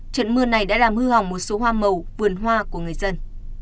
trận mưa này đã làm hư hỏng một số hoa màu vườn hoa của người dân